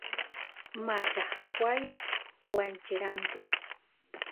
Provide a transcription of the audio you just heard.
machajuay wancheranku